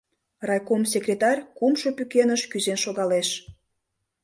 Райком секретарь кумшо пӱкеныш кӱзен шогалеш.